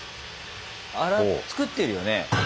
あら作ってるよね。